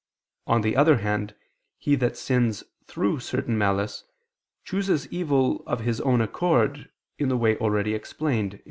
On the other hand, he that sins through certain malice, chooses evil of his own accord, in the way already explained (AA.